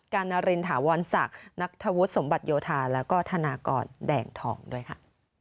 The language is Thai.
นารินถาวรศักดิ์นักธวุฒิสมบัติโยธาแล้วก็ธนากรแดงทองด้วยค่ะ